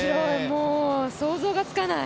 想像がつかない。